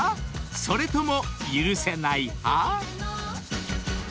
それとも許せない派？］